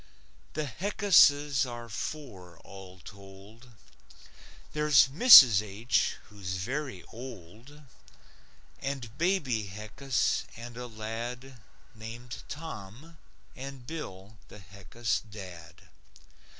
The Heckuses are four all told. There's Mrs. H. who's very old, And Baby Heckus, and a lad Named Tom, and Bill, the Heckus dad.